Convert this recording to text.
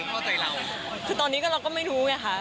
คือตอนนี้เราก็ไม่รู้ไงค่ะ